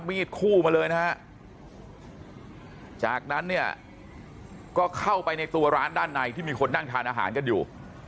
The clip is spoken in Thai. มีดคู่มาเลยนะฮะจากนั้นเนี่ยก็เข้าไปในตัวร้านด้านในที่มีคนนั่งทานอาหารกันอยู่